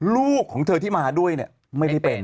ลูกของเธอที่มาด้วยเนี่ยไม่ได้เป็น